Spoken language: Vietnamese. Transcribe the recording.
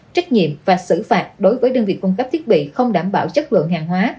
trách nhiệm và xử phạt đối với đơn vị cung cấp thiết bị không đảm bảo chất lượng hàng hóa